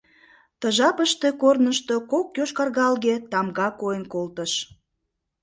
Ты жапыште корнышто кок йошкаргалге тамга койын колтыш.